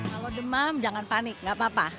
kalau demam jangan panik gak apa apa